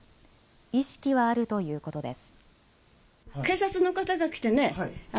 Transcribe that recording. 意識はあるということです。